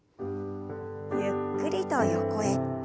ゆっくりと横へ。